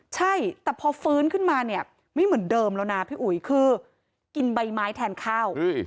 ใช่แต่พอฟื้นขึ้นมาเนี่ยไม่เหมือนเดิมแล้วนะพี่อุ๋ยคือกินใบไม้แทนข้าว